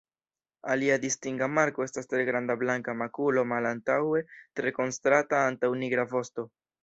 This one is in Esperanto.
Alia distinga marko estas tre granda blanka makulo malantaŭe tre kontrasta antaŭ nigra vosto.